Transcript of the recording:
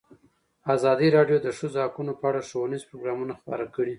ازادي راډیو د د ښځو حقونه په اړه ښوونیز پروګرامونه خپاره کړي.